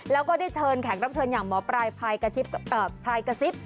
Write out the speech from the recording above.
แล้วก็ได้เชิญแขกรับเชิญอย่างหมอปลายพายกระซิบ